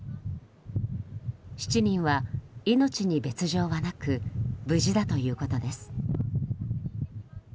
７人は命に別条はなく無事だということです。